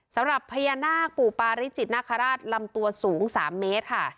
สำหรับพญานาคปู่ปาริจิตนาคาราชลำตัวสูง๓เมตรค่ะ